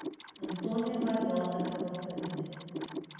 Antônia Barbosa Cavalcante